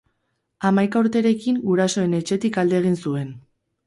Hamaika urterekin, gurasoen etxetik alde egin zuen.